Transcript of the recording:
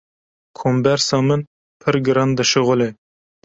Kombersa min pir giran dişuxile.